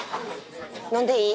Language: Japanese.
飲んでいい？